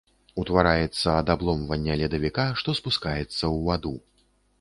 Утвараецца ад абломвання ледавіка, што спускаецца ў ваду.